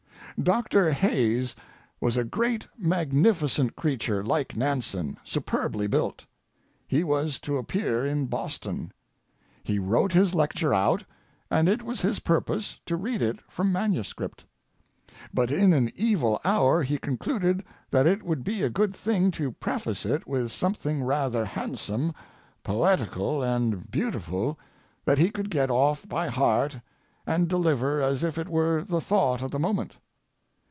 Doctor Hayes was a great, magnificent creature like Nansen, superbly built. He was to appear in Boston. He wrote his lecture out, and it was his purpose to read it from manuscript; but in an evil hour he concluded that it would be a good thing to preface it with something rather handsome, poetical, and beautiful that he could get off by heart and deliver as if it were the thought of the moment.